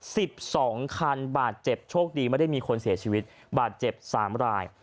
สิบสองคันบาดเจ็บโชคดีไม่ได้มีคนเสียชีวิตบาดเจ็บสามราย